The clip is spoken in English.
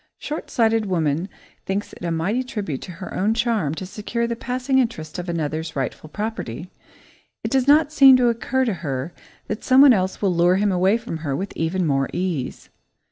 Short sighted woman thinks it a mighty tribute to her own charm to secure the passing interest of another's rightful property. It does not seem to occur to her that someone else will lure him away from her with even more ease.